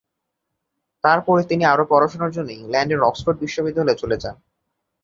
তারপরে তিনি আরও পড়াশুনার জন্য ইংল্যান্ডের অক্সফোর্ড বিশ্ববিদ্যালয়ে চলে যান।